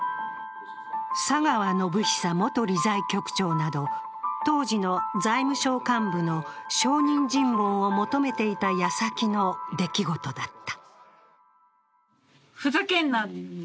佐川宣寿元理財局長など当時の財務省幹部の証人尋問をもとめていた矢先の出来事だった。